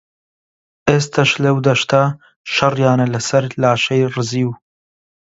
ئێستەکەش لەو دەشتە شەڕیانە لەسەر لاشەی ڕزیو